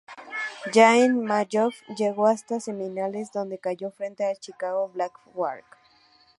Ya en "playoff" llegó hasta semifinales, donde cayó frente a Chicago Black Hawks.